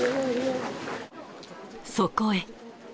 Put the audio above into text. そこへ。